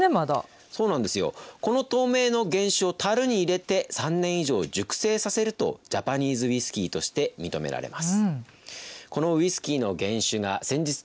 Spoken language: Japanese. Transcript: またこの透明の原酒をたるに入れて３年以上熟成させるとジャパニーズウイスキーとして認められます。